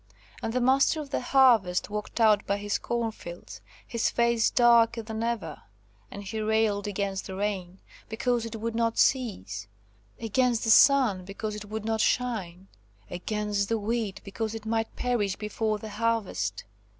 And the Master of the Harvest walked out by his cornfields, his face darker than ever. And he railed against the rain, because it would not cease; against the sun, because it would not shine; against the wheat, because it might perish before the harvest.